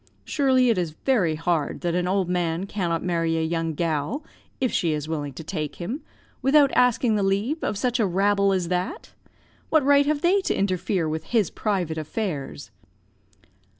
Surely, it is very hard, that an old man cannot marry a young gal, if she is willing to take him, without asking the leave of such a rabble as that. What right have they to interfere with his private affairs?"